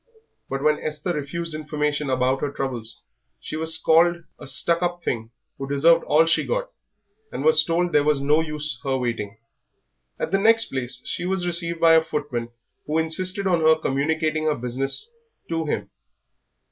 But when Esther refused information about her troubles she was called a stuck up thing who deserved all she got, and was told there was no use her waiting. At the next place she was received by a footman who insisted on her communicating her business to him.